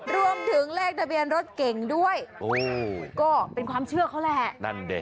รวมถึงเลขทะเบียนรถเก่งด้วยก็เป็นความเชื่อเขาแหละนั่นดิ